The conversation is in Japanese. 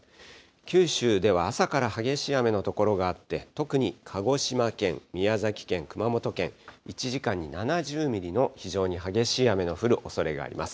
九州では朝から激しい雨の所があって、特に鹿児島県、宮崎県、熊本県、１時間に７０ミリの非常に激しい雨の降るおそれがあります。